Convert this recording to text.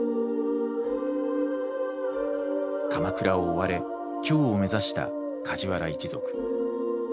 鎌倉を追われ京を目指した梶原一族。